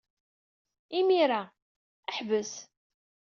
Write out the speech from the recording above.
Imir-a, ḥbes!